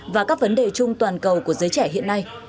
và các vấn đề chung toàn cầu của giới trẻ hiện nay